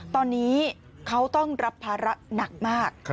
ตอนนี้เขาต้องรับภาระหนักมาก